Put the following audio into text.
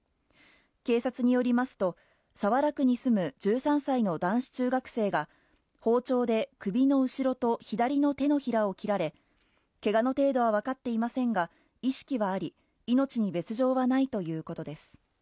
警察によりますと、早良区に住む１３歳の男子中学生が、包丁で首の後ろと左の手のひらを切られ、けがの程度は分かっていませんが、意識はあり、命に別状はないということです。